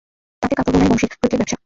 তাঁতে কাপড় বোনাই বংশীর পৈতৃক ব্যবসায়।